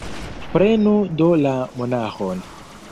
Prenu do la monaĥon!